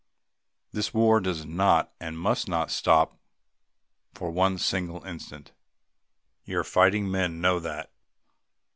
This war does not and must not stop for one single instant. Your fighting men know that.